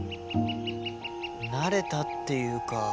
慣れたっていうか。